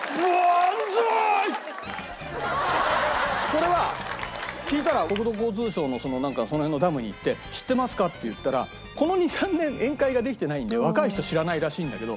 これは聞いたら国土交通省のその辺のダムに行って「知ってますか？」って言ったらこの２３年宴会ができてないんで若い人は知らないらしいんだけどみんなできるって。